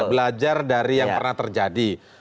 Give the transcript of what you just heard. belajar dari yang pernah terjadi